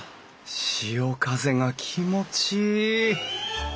潮風が気持ちいい！